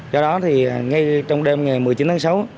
do đó thì ngay trong đêm ngày một mươi chín tháng sáu